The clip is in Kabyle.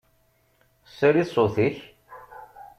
Sali ṣṣut-ik!